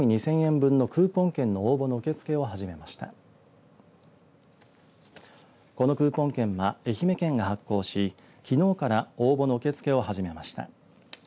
このクーポン券は愛媛県が発行しきのうから、応募の受け付けを始めました。